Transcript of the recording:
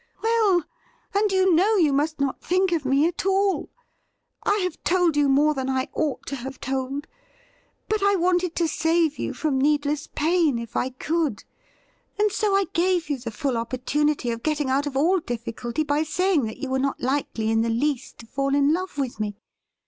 ' Well, and you know you must not think of me at all ! I have told you more than I ought to have told, but I wanted to save you from needless pain if I could ; and so I gave you the full opportunity of getting out of all difficulty by saying that you were not likely in the least to fall in love with me.